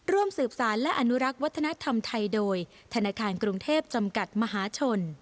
ร่วมสืบสารและอนุรักษ์วัฒนธรรมไทยโดยธนาคารกรุงเทพจำกัดมหาชน